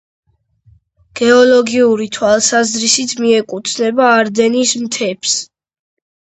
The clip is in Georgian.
გეოლოგიური თვალსაზრისით მიეკუთვნება არდენის მთებს.